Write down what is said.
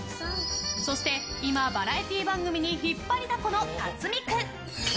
そして今、バラエティー番組に引っ張りだこの辰巳君。